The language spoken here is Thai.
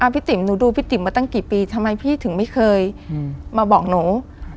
ติ๋มหนูดูพี่ติ๋มมาตั้งกี่ปีทำไมพี่ถึงไม่เคยมาบอกหนู